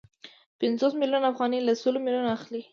پنځوس میلیونه افغانۍ له سلو میلیونو اخلي